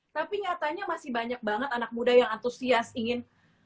tapi nyatanya masih banyak banget anak muda yang antusias ingin